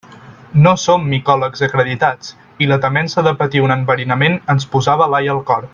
No som micòlegs acreditats i la temença de patir un enverinament ens posava l'ai al cor.